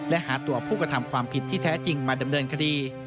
และหาตัวผู้กระทำความผิดที่แท้จริงมาดำเนินคดี